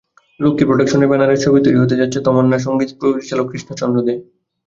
লক্ষ্মী প্রোডাকশনের ব্যানারে ছবি তৈরি হতে যাচ্ছে তমান্না, সংগীত পরিচালক কৃষ্ণচন্দ্র দে।